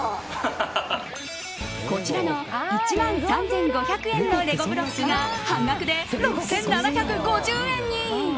こちらの１万３５００円のレゴブロックが半額で６７５０円に。